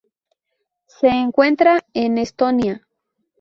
Se encuentra en Estonia.